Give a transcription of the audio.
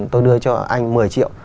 tôi đưa cho anh một mươi triệu